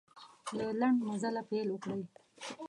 له لنډ مزله پیل وکړئ.